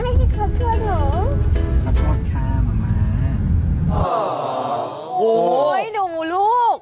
โอ้โหเดี๋ยวหนูลูก